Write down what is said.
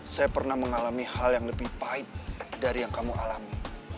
saya pernah mengalami hal yang lebih pahit dari yang kamu alami